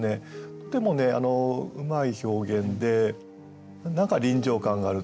とてもうまい表現で何か臨場感があるっていうかね